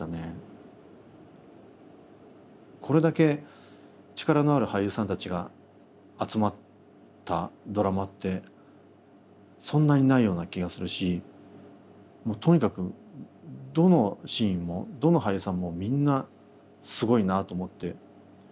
これだけ力のある俳優さんたちが集まったドラマってそんなにないような気がするしもうとにかくどのシーンもどの俳優さんもみんなすごいなと思って見てました。